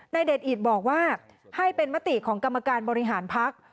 เด็ดอิตบอกว่าให้เป็นมติของกรรมการบริหารพัก